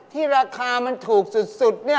ที่ราคามันถูกสุดนี่